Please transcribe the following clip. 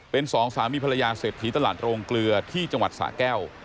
เป็นสองสามีภรรยาเศรษฐีตลาดโรงเกลือที่จังหวัดสะแก้ว